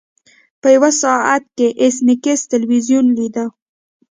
په یو ساعت کې ایس میکس تلویزیون لیده